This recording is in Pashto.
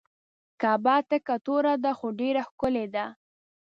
کعبه تکه توره ده خو ډیره ښکلې ده.